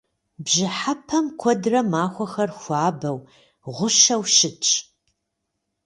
Бжьыхьэпэм куэдрэ махуэхэр хуабэу, гъущэу щытщ.